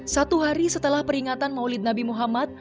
satu hari setelah peringatan maulid nabi muhammad